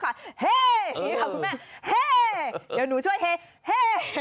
อย่างนี้ค่ะคุณแม่เฮ่เดี๋ยวหนูช่วยเฮ่